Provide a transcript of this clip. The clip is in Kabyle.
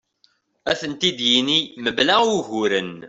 Ad tent-id-yini mebla uguren.